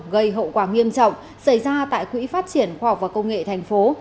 nghiêm trọng xảy ra tại quỹ phát triển khoa học và công nghệ thành phố